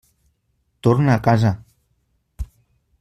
Torna a casa.